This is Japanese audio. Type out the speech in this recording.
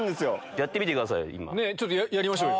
やってみてくださいよ。